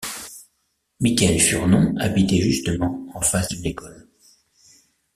Mickaël Furnon habitait justement en face d'une école.